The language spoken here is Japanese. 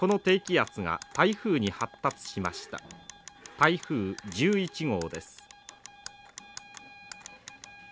台風１１号です。